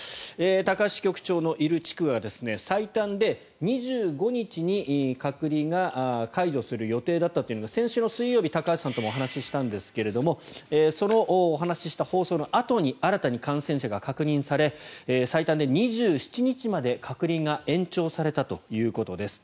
高橋支局長のいる地区は最短で２５日に隔離を解除する予定だったというのを先週の水曜日高橋さんともお話したのですがそのお話しした放送のあとに新たに感染者が確認され最短で２７日まで隔離が延長されたということです。